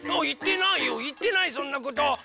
いってないよいってないそんなこと！